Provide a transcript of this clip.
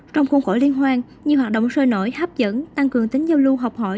trong khuôn khổ liên hoan nhiều hoạt động sôi nổi hấp dẫn tăng cường tính giao lưu học hỏi